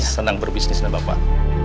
senang berbisnis dengan bapak